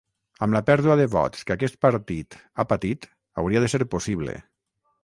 amb la pèrdua de vots que aquest partit ha patit hauria de ser possible